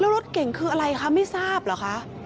แล้วรถเก่งคืออะไรคะไม่ทราบเหรอคะ